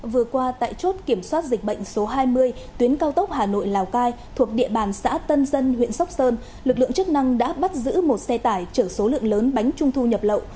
vừa qua tại chốt kiểm soát dịch bệnh số hai mươi tuyến cao tốc hà nội lào cai thuộc địa bàn xã tân dân huyện sóc sơn lực lượng chức năng đã bắt giữ một xe tải chở số lượng lớn bánh trung thu nhập lậu